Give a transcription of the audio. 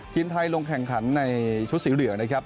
ทีมไทยลงแข่งขันในชุดสีเหลืองนะครับ